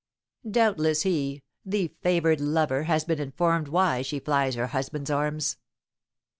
Doubtless he, the favoured lover, has been informed why she flies her husband's arms."